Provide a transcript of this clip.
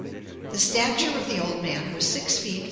The stature of the old man was 6 feet 4.